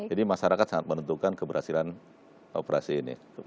jadi masyarakat sangat menentukan keberhasilan operasi ini